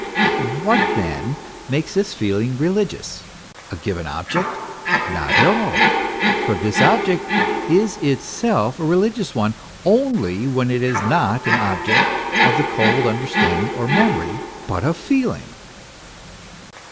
What, then, makes this feeling religious? A given object? Not at all; for this object is itself a religious one only when it is not an object of the cold understanding or memory, but of feeling.